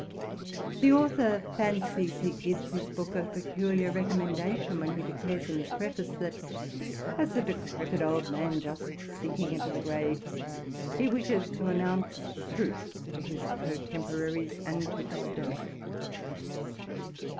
The author fancies he gives his book a peculiar recommendation, when he declares in his preface, that as a decrepit old man, just sinking into the grave, he wishes to announce the truth to his contemporaries and to posterity.